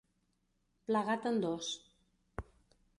Plegat en dos.